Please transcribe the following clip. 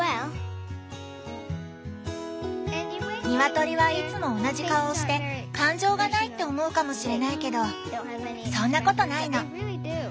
ニワトリはいつも同じ顔をして感情がないって思うかもしれないけどそんなことないの。